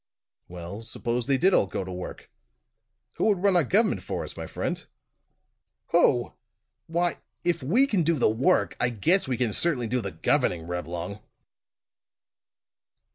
"Well, suppose they did all go to work; who would run our government for us, my friend?" "Who! Why if we can do the work, I guess we can certainly do the governing, Reblong."